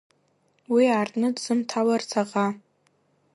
Уи аартны дызҭамларц аӷа.